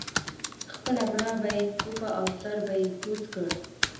خپله ملا به یې کوپه او سر به یې کوز کړ.